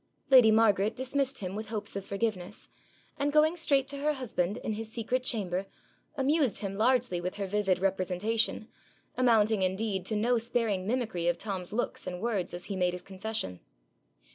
Lady Margaret dismissed him with hopes of forgiveness, and going straight to her husband in his secret chamber, amused him largely with her vivid representation, amounting indeed to no sparing mimicry of Tom's looks and words as he made his confession.